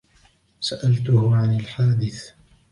سألتُه عن الحادث.